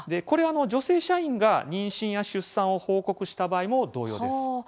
これ、女性社員が妊娠や出産を報告した場合も同様です。